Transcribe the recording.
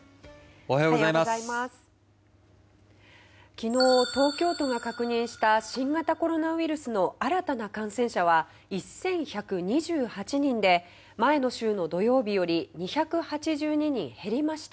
昨日、東京都が確認した新型コロナウイルスの新たな感染者は１１２８人で前の週の土曜日より２８２人減りました。